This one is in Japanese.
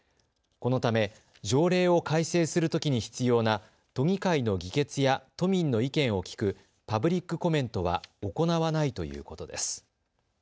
このため条例を改正するときに必要な都議会の議決や都民の意見を聞くパブリックコメントは行わないということです。